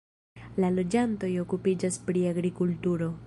La loĝantoj okupiĝas pri agrikulturo.